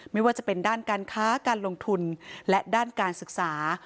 ไม่ว่าจะเป็นด้านการค้าการลงทุนและด้านการศึกษา